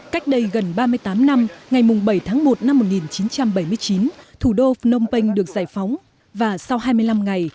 cách đây gần ba mươi tám năm ngày bảy tháng một năm một nghìn chín trăm bảy mươi chín thủ đô phnom penh được giải phóng và sau hai mươi năm ngày